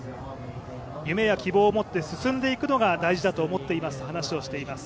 夢や希望を持って進んでいくのが大事だと思っていますと話をしています。